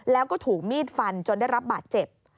แล้วก็ถูกมีดฟันจนได้รับบาดเจ็บ